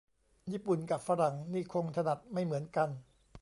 ญี่ปุ่นกะฝรั่งนี่คงถนัดไม่เหมือนกัน